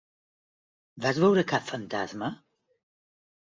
Vas veure cap fantasma?